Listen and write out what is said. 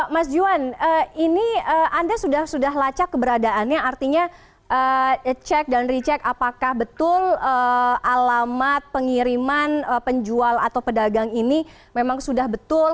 mas juwan ini anda sudah lacak keberadaannya artinya cek dan recheck apakah betul alamat pengiriman penjual atau pedagang ini memang sudah betul